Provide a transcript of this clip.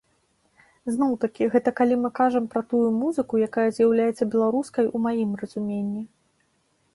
Зноў-такі, гэта калі мы кажам пра тую музыку, якая з'яўляецца беларускай у маім разуменні.